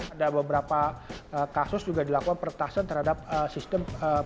ada beberapa kasus juga dilakukan pertasan terhadap sistem perbankan